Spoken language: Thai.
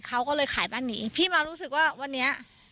เขาก็เลยขายบ้านนี้พี่มารู้สึกว่าวันนี้